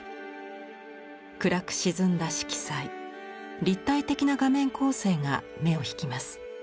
暗く沈んだ色彩立体的な画面構成が目を引きます。